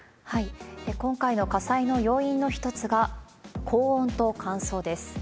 今回の火災の要因の一つが、高温と乾燥です。